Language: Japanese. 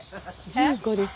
・１５です。